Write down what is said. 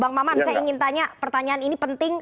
bang maman saya ingin tanya pertanyaan ini penting